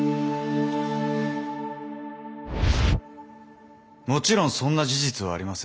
もちろんそんな事実はありません。